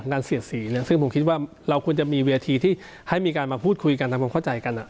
เสียดสีเนี่ยซึ่งผมคิดว่าเราควรจะมีเวทีที่ให้มีการมาพูดคุยกันทำความเข้าใจกัน